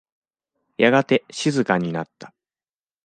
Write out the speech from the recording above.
やがて静かになった。